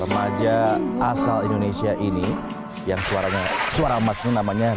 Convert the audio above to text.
ramadhan asal indonesia ini yang suaranya suara marsion namanya